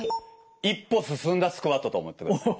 一歩進んだスクワットと思ってください。